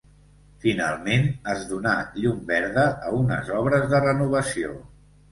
Finalment es donà llum verda a unes obres de renovació.